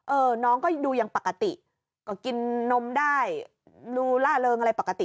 เออน้องก็ดูยังปกติก็กินนมได้ดูล่าเริงอะไรปกติ